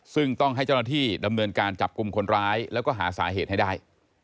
ซึ่งต้องให้เจ้าหน้าที่ดำเนินการจับกลุ่มคนร้ายแล้วก็หาสาเหตุให้ได้